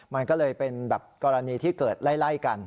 มันก็เลยเป็นแบบกรณีที่เกิดไล่กัน